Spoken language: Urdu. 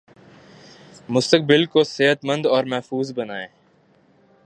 مستقبل کو صحت مند اور محفوظ بنائیں